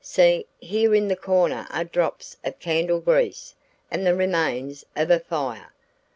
See, here in the corner are drops of candle grease and the remains of a fire.